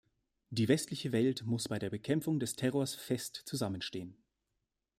Die westliche Welt muss bei der Bekämpfung des Terrors fest zusammenstehen.